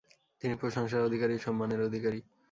তিনি প্রশংসার অধিকারী ও সম্মানের অধিকারী।